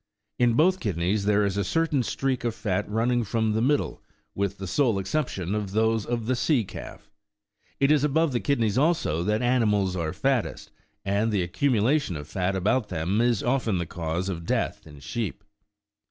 In both kid neys there is a certain streak of fat running from the middle, with the sole exception of those of the sea calf. It is above the kidneys, also, that animals are fattest, and the accumula tion of fat about them is often the cause of death in sheep.